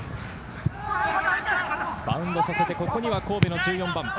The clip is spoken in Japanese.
バウンドさせて、ここには神戸の１４番。